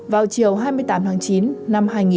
vào chiều hai mươi tám tháng chín